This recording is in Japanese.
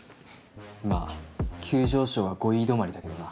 まぁ急上昇は５位止まりだけどな